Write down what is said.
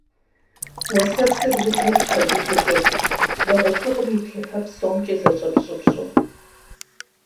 Уэсэпсыр удзым къыхэлыдыкӀырт, лэгъупыкъум и плъыфэ псомкӏи зэщӀэпщӀыпщӀэу.